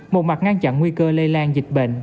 một mặt ngăn chặn nguy cơ lây lan dịch bệnh